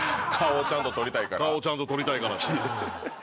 顔をちゃんと撮りたいからって。